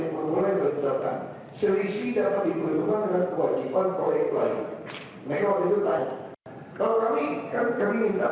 kami mau disitu menjadi bpkb menggunakan apa